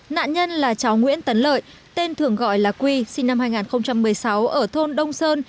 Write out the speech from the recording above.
nạn nhân là cháu nguyễn tấn lợi tên thường gọi là quy sinh năm hai nghìn một mươi sáu ở thôn đông sơn